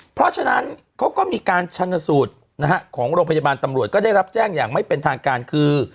เพราะฉะนั้นเขาก็มีการชันสูตรนะฮะของโรงพยาบาลตำรวจก็ได้รับแจ้งอย่างไม่เป็นทางการคือ